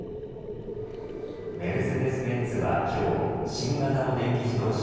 メルセデス・ベンツは今日新型の電気自動車